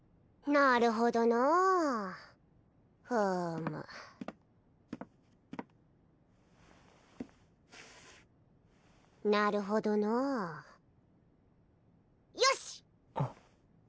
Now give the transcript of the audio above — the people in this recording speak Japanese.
なるほどのうふむなるほどのうよし！